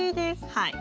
はい。